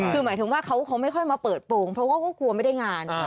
คือหมายถึงว่าเขาไม่ค่อยมาเปิดโปรงเพราะว่าก็กลัวไม่ได้งาน